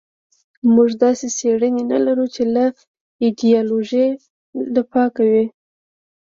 موږ داسې څېړنې نه لرو چې له ایدیالوژۍ پاکې وي.